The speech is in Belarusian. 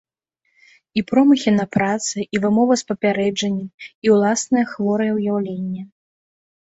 І промахі на працы, і вымова з папярэджаннем, і ўласнае хворае ўяўленне.